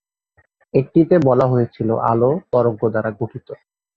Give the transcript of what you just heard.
একটিতে বলা হয়েছিল আলো তরঙ্গ দ্বারা গঠিত।